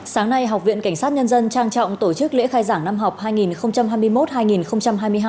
sáng nay học viện cảnh sát nhân dân trang trọng tổ chức lễ khai giảng năm học hai nghìn hai mươi một hai nghìn hai mươi hai